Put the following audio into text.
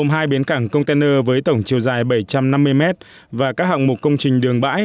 hai bến cảng container với tổng chiều dài bảy trăm năm mươi m và các hạng mục công trình đường bãi